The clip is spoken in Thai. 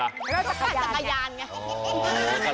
แล้วก็จะปั่นสักกะยานไง